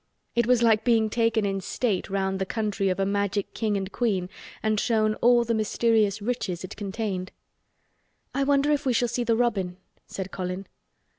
It was like being taken in state round the country of a magic king and queen and shown all the mysterious riches it contained. "I wonder if we shall see the robin?" said Colin.